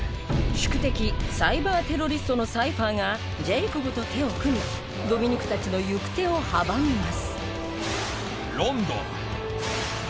宿敵・サイバーテロリストのサイファーがジェイコブと手を組みドミニクのたちの行く手を阻みます